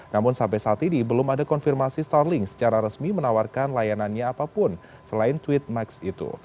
namun sampai saat ini belum ada konfirmasi starling secara resmi menawarkan layanannya apapun selain tweet max itu